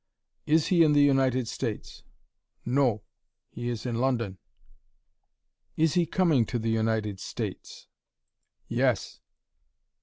"Is he in the United States?" "No, he is in London." "Is he coming to the United States?" "Yes."